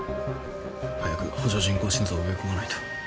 早く補助人工心臓を植え込まないと。